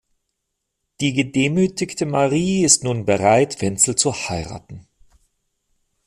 Die gedemütigte Marie ist nun bereit, Wenzel zu heiraten.